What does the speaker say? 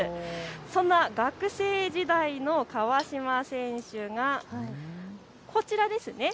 そんな学生時代の川島選手がこちらですね。